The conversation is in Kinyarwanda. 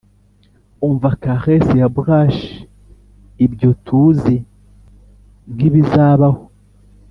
umva caresses ya brush ibyo tuzi nkibizabaho.